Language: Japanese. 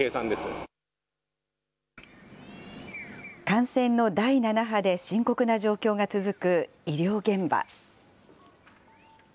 感染の第７波で深刻な状況が続く医療現場。